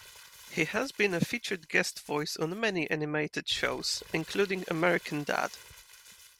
He has been a featured guest voice on many animated shows, including American Dad!